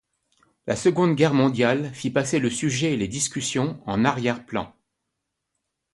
La seconde Guerre mondiale fit passer le sujet et les discussions en arrière plan.